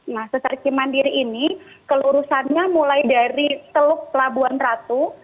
nah sesar cimandiri ini kelulusannya mulai dari teluk pelabuhan ratu